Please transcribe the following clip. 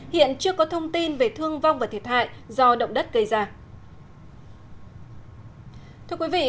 hiện chưa có thông tin về thương vong và thiệt hại do động đất gây ra